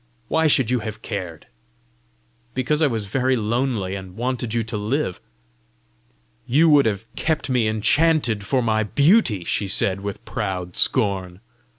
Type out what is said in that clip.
"Why should you have cared?" "Because I was very lonely, and wanted you to live." "You would have kept me enchanted for my beauty!" she said, with proud scorn.